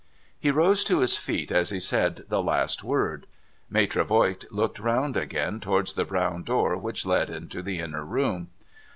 He rose to his feet as he said the last word. Maitre Voigt looked round again towards the brown door which led into the inner room.